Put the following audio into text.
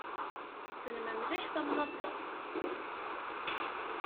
Tessnem mliḥ tamnaḍt-a?